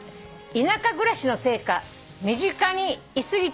「田舎暮らしのせいか身近にい過ぎてなのか